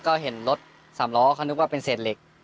ก็เห็นรถสามล้อเขานึกว่าเป็นเศษเหล็ก